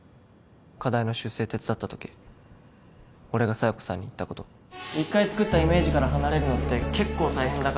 課題の修正手伝った時俺が佐弥子さんに言ったこと一回作ったイメージから離れるのって結構大変だから